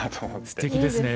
すてきですね。